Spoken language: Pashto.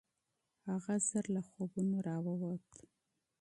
هغه ژر له خوبونو راووت.